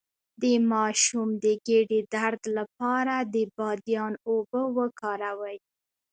د ماشوم د ګیډې درد لپاره د بادیان اوبه وکاروئ